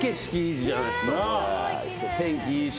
天気いいし。